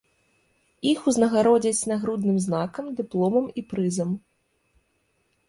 Іх узнагародзяць нагрудным знакам, дыпломам і прызам.